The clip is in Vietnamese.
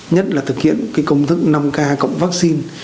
nhất là thực hiện công thức năm k cộng vaccine